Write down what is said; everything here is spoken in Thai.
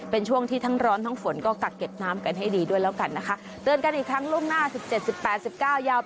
เป็นช่วงที่ทั้งร้อนทั้งฝนก็ตักเก็บน้ำกันให้ดีด้วยแล้วกันนะคะ